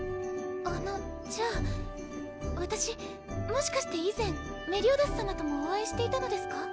あのじゃあ私もしかして以前メリオダス様ともお会いしていたのですか？